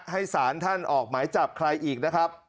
ให้สารท่านออกหมายจับใครอีกนะครับ